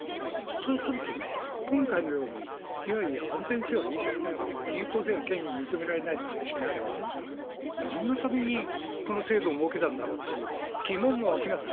そうすると、今回のように、いやいや、安全性はいいけれども、有効性が顕著に認められないという話になれば、なんのためにこの制度を設けたんだろうっていう疑問が湧きますよ